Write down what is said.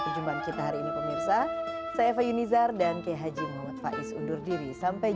perjumpaan kita hari ini pemirsa saya fayun izzar dan khj muhammad faiz undur diri sampai